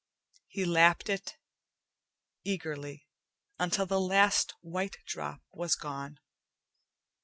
He lapped at it eagerly, until the last white drop was gone.